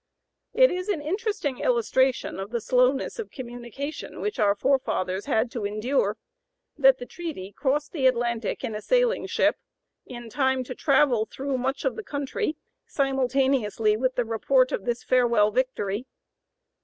It is an interesting illustration of the slowness of communication which our forefathers had to endure, that the treaty crossed the Atlantic in a sailing ship in time to travel through much of the country simultaneously with the report of this farewell victory.